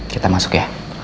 kita masuk ya